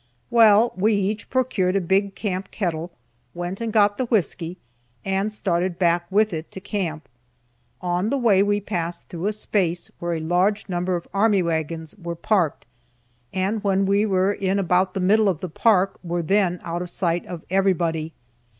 Well, we each procured a big camp kettle, went and got the whisky, and started back with it to camp. On the way we passed through a space where a large number of army wagons were parked, and when we were in about the middle of the park were then out of sight of everybody.